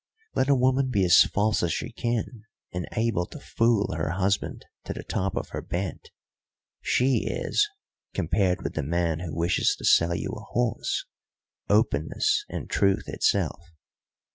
Let a woman be as false as she can, and able to fool her husband to the top of her bent, she is, compared with the man who wishes to sell you a horse, openness and truth itself.